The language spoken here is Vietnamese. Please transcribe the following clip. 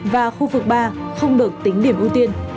và khu vực ba không được tính điểm ưu tiên